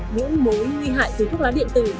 những mối nguy hại từ thuốc lá điện tử